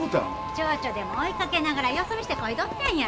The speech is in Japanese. ちょうちょでも追いかけながらよそ見してこいどったんやろ。